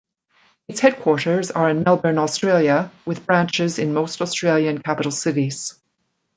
Its headquarters are in Melbourne, Australia, with branches in most Australian capital cities.